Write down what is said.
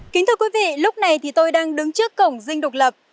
kính thưa quý vị lúc này thì tôi đang đứng trước cổng dinh độc lập